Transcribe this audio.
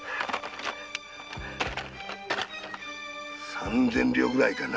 三千両ぐらいかな。